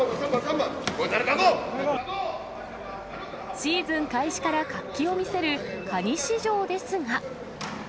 シーズン開始から活気を見せるカニ市場ですが。